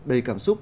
đầy cảm xúc